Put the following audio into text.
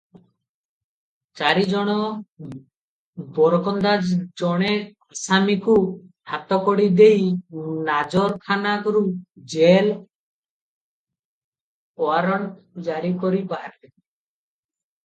ଚାରି ଜଣ ବରକନ୍ଦାଜ ଜଣେ ଆସାମୀକୁ ହାତକଡ଼ି ଦେଇ ନାଜରଖାନାରୁ ଜେଲ ଓଆରଣ୍ଟ ଜାରି କରି ବାହାରିଲେ ।